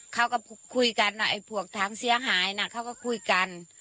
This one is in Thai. เขาก็คุยกันไอ้พวกถังเสียหายนะเขาก็คุยกัน